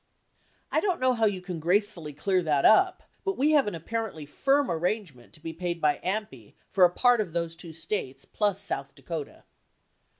I don't know how you can gracefully clear that up, but we have an apparently firm arrangement to be paid by AMPI for a part of those two states plus South Dakota.